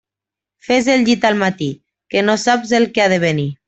Fes el llit al matí, que no saps el que ha de venir.